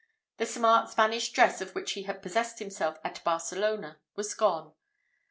The smart Spanish dress of which he had possessed himself at Barcelona was gone.